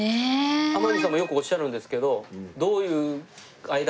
天海さんもよくおっしゃるんですけどどういう間柄ですか？